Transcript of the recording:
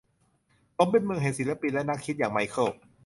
สมเป็นเมืองแห่งศิลปินและนักคิดอย่างไมเคิล